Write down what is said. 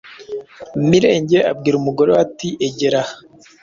Mirenge abwira umugore we ati egera aha